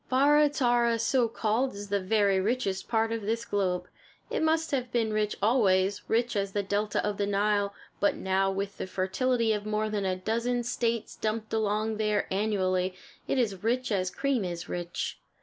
Barra Tarra, so called, is the very richest part of this globe. It must have been rich always, rich as the delta of the Nile; but now, with the fertility of more than a dozen States dumped along there annually, it is rich as cream is rich.